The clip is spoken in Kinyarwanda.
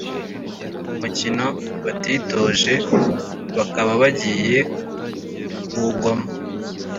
umukino batitoje, bakaba bagiye kuwugwamo